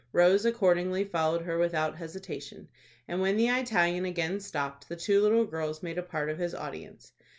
Rose accordingly followed her without hesitation, and when the Italian again stopped, the two little girls made a part of his audience.